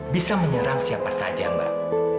bisa menyerang siapa saja mbak